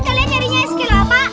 kalian nyarinya eskelapa